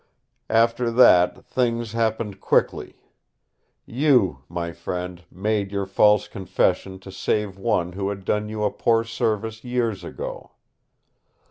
"After that, things happened quickly. You, my friend, made your false confession to save one who had done you a poor service years ago.